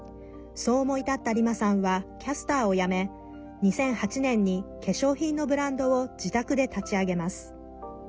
そう思い立ったリマさんはキャスターを辞め２００８年に化粧品のブランドを自宅で立ち上げます。